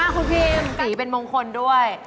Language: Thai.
คุณพีมสีเป็นมงคลด้วย